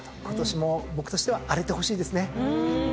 今年も僕としては荒れてほしいですね。